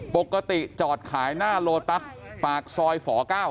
ปกติจอดขายหน้าโลตัสปากซอยฝ๙